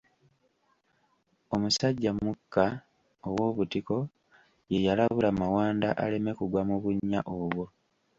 Omusajja Mukka ow'Obutiko ye yalabula Mawanda aleme kugwa mu bunnya obwo.